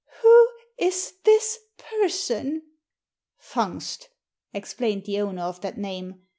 " Who is this person ?" "Fungst," explained the owner of that name.